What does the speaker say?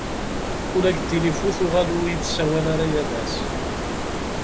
Ula deg tilifu tuɣal ur iyi-d-tessawal ara yal ass.